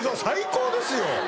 最高ですよ。